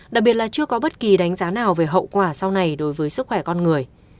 đặc biệt là chưa có bất kỳ đánh giá nào về hậu quả sau này đối với sức khỏe con người